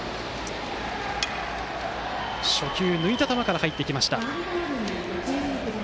初球、抜いた球から入ってきました。